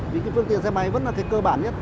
vì phương tiện xe máy vẫn là cơ bản nhất